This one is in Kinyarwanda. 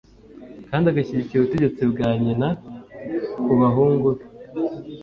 kandi agashyigikira ubutegetsi bwa nyina ku bahungu be